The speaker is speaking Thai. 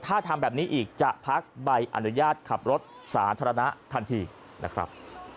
ถ้าทำแบบนี้อีกจะพักใบอนุญาตขับรถสาธารณะทันทีนะครับ